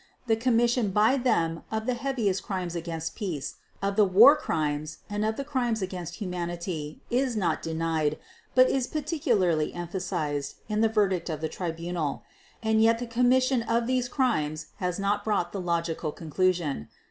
The commission by them of the heaviest Crimes against Peace, of the War Crimes, and of the Crimes against Humanity is not denied but is particularly emphasized in the verdict of the Tribunal. And yet the commission of these crimes has not brought the logical conclusion.